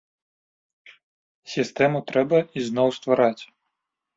Сістэму трэба ізноў ствараць.